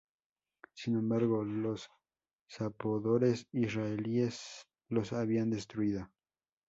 Sin embargo, los zapadores israelíes los habían destruido.